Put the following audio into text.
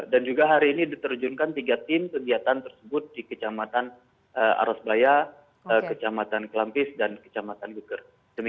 juga hari ini diterjunkan tiga tim kegiatan tersebut di kecamatan arosbaya kecamatan kelampis dan kecamatan guger